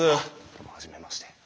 どうも初めまして。